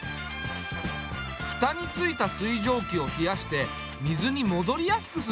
蓋についた水蒸気を冷やして水に戻りやすくするんだな。